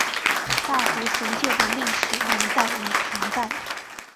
大湖神庙的历史年代为唐代。